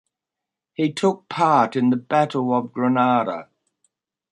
He took part in the Battle of Grenada.